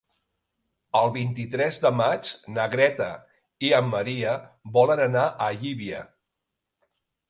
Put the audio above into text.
El vint-i-tres de maig na Greta i en Maria volen anar a Llívia.